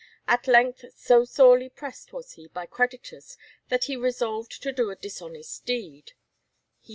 At length, so sorely pressed was he by creditors that he resolved to do a dishonest deed.